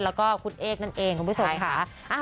แล้วก็คุณเอกนั่นเองคุณผู้ชมค่ะ